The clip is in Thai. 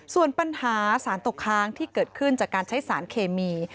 ส่วนปัญหาสารตกค้างที่เกิดขึ้นจากการใช้สารเคมี